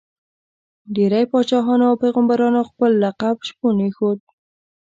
ډېری پاچاهانو او پيغمبرانو خپل لقب شپون ایښود.